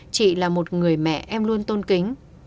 chị là một người mẹ em luôn tôn kính